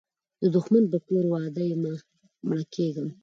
د دښمن په کور واده یمه مړه کیږم